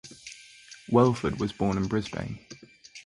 Welford was born in Brisbane.